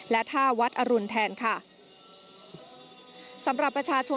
และท่าวัดอรุณแทนค่ะ